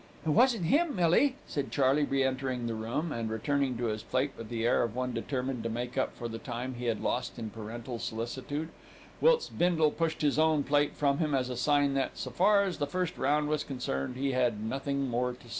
"It wasn't him, Millie," said Charley, re entering the room, and returning to his plate with the air of one determined to make up for the time he had lost in parental solicitude, whilst Bindle pushed his own plate from him as a sign that, so far as the first round was concerned, he had nothing more to say.